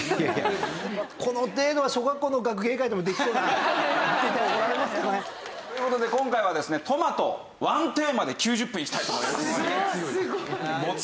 この程度は小学校の学芸会でもできそうなって言ったら怒られますかね。という事で今回はですねトマトワンテーマで９０分いきたいと思います。